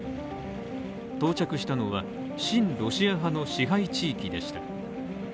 到着したのは、親ロシア派の支配地域でした。